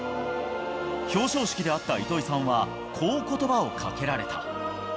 表彰式で会った糸井さんは、こうことばをかけられた。